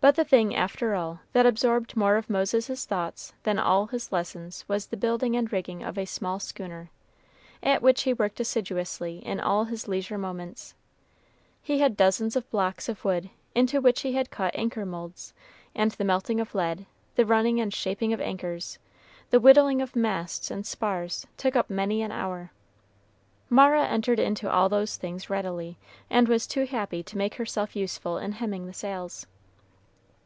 But the thing, after all, that absorbed more of Moses's thoughts than all his lessons was the building and rigging of a small schooner, at which he worked assiduously in all his leisure moments. He had dozens of blocks of wood, into which he had cut anchor moulds; and the melting of lead, the running and shaping of anchors, the whittling of masts and spars took up many an hour. Mara entered into all those things readily, and was too happy to make herself useful in hemming the sails.